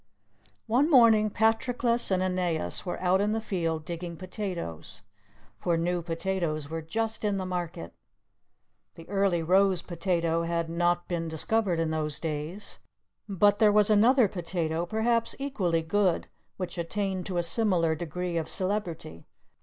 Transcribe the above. One morning Patroclus and Aeneas were out in the field digging potatoes, for new potatoes were just in the market. The Early Rose potato had not been discovered in those days; but there was another potato, perhaps equally good, which attained to a similar degree of celebrity.